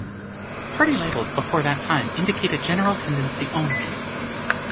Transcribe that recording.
Party labels before that time indicate a general tendency only.